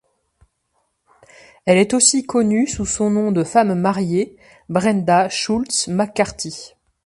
Elle est aussi connue sous son nom de femme mariée, Brenda Schultz-McCarthy.